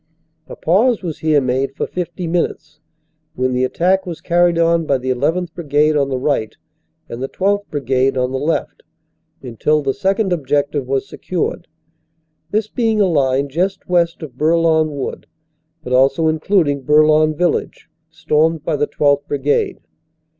A pause was here made for fifty minutes, when the attack was carried on by the 1 1th. Brigade on the right, and the 12th. Brigade on the left, until the second objective was secured, this being a line just west of Bourlon Wood but also including Bourlon village, stormed by the 12th. Brigade.